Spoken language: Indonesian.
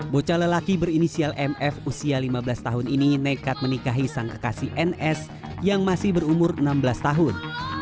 bocah lelaki berinisial mf usia lima belas tahun ini nekat menikahi sang kekasih ns yang masih berumur enam belas tahun